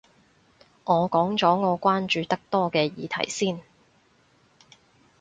我講咗我關注得多嘅議題先